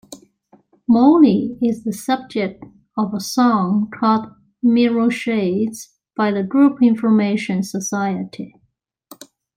Molly is the subject of a song called "Mirrorshades" by the group Information Society.